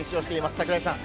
櫻井さん。